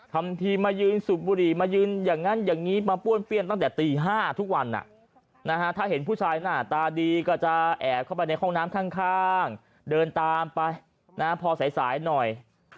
ตั้งแต่ตี๕ทุกวันถ้าเห็นผู้ชายหน้าตาดีก็จะแอบเข้าไปในห้องน้ำข้างเดินตามไปพอสายหน่อย